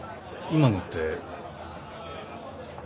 今のって。